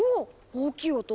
大きい音。